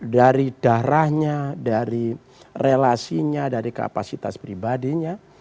dari darahnya dari relasinya dari kapasitas pribadinya